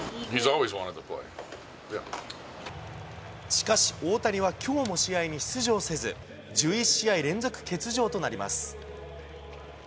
しかし、大谷はきょうも試合に出場せず、１１試合連続欠場となります。